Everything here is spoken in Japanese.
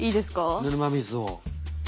ぬるま水を。